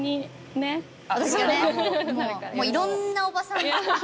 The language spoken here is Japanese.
私がねもういろんなおばさんに。